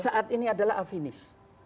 saat ini adalah afinis